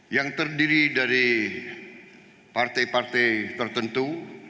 yang terdiri dari partai partai tertentu